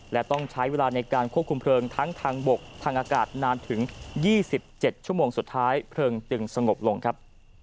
และต้องใช้เวลาในการควบคุมเพลิงทั้งทางบกทางอากาศนานถึง๒๗ชั่วโมงสุดท้ายเพลิงจึงสงบลงครับ